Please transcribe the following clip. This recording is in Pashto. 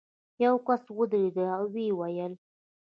یو کس ودرېد او ویې ویل.